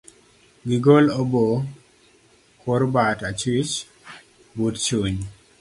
Gigol obo kor bat achwich but chuny